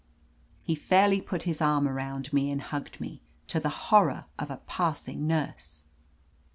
He fairly put his arm around me and hugged me, to the horror of a passing nurse.